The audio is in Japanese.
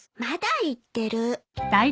まだ言ってる。